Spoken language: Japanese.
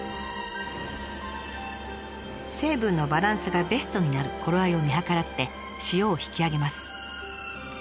成分のバランスがベストになる頃合いを見計らって塩を引き上げます。